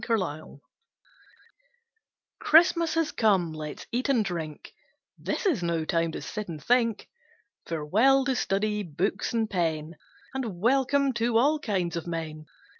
CHRISTMAS Christmas has come, let's eat and drink This is no time to sit and think; Farewell to study, books and pen, And welcome to all kinds of men.